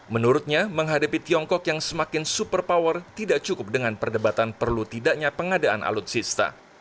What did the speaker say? menurutnya menghadapi tiongkok yang semakin super power tidak cukup dengan perdebatan perlu tidaknya pengadaan alutsista